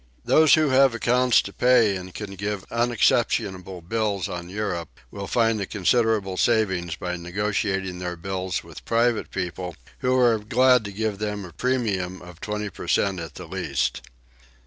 Those who have accounts to pay and can give unexceptionable bills on Europe will find a considerable saving by negotiating their bills with private people who are glad to give for them a premium of 20 per cent at the least.